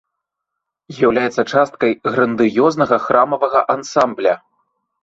З'яўляецца часткай грандыёзнага храмавага ансамбля.